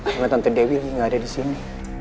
cuma tante dewi lagi gak ada di sini